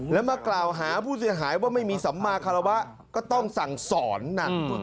แล้วมากล่าวหาผู้เสียหายว่าไม่มีสัมมาคารวะก็ต้องสั่งสอนนะ